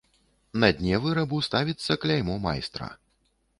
На дне вырабу ставіцца кляймо майстра.